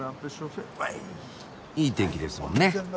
いい天気ですもんね。